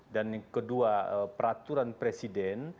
dan kedua peraturan presiden